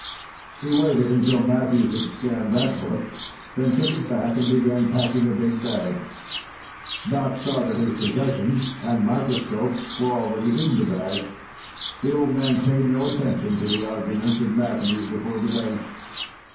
He waited until Matthews had scanned that book, then took it back and began packing a big bag. Doc saw that his possessions and the microscope were already in the bag. The old man paid no attention to the arguments of Matthews before the bench.